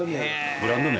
ブランド名。